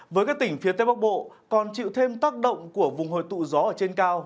với các tỉnh phía tây bắc bộ còn chịu thêm tác động của vùng hồi tụ gió ở trên cao